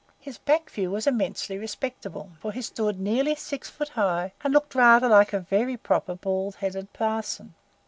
His back view was immensely respectable, for he stood nearly six feet high, and looked rather like a very proper bald headed parson.